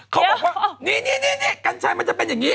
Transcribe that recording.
เขาบอกว่านี่กัญชัยมันจะเป็นอย่างนี้